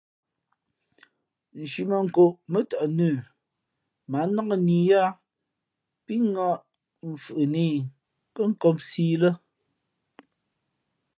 Shīmαnkóʼ mά tαʼ nə mα ǎ nnák nǐyáá pí ŋα̌ʼ mfhʉʼnā i kα̌ nkōpsī ī lά.